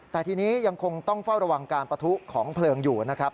แต่ทีนี้ยังคงต้องเฝ้าระวังการปะทุของเพลิงอยู่นะครับ